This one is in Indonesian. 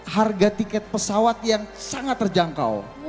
harga tiket pesawat yang sangat terjangkau